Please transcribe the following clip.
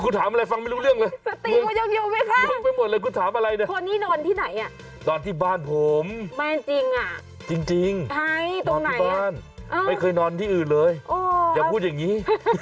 คุณถามอะไรฟังไม่รู้เรื่องเลยคุณถามอะไรเนี่ยคนนี่นอนที่ไหนอ่ะจริงนอนที่บ้านไม่เคยนอนที่อื่นเลยอย่าพูดอย่างนี้